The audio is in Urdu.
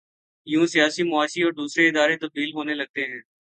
یوں سیاسی، معاشی اور دوسرے ادارے تبدیل ہونے لگتے ہیں۔